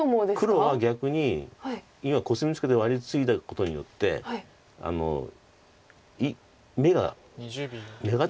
黒は逆に今コスミツケてワリツイだことによって眼が眼形が。